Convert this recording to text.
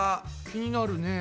気になるね。